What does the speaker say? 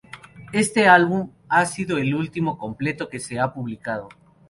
Este ha sido el último álbum completo que ha publicado.